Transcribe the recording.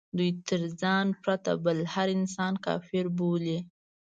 دوی تر ځان پرته بل هر انسان کافر بولي.